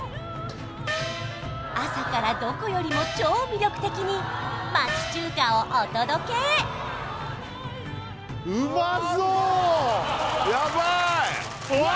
朝からどこよりも超魅力的に町中華をお届け！わ！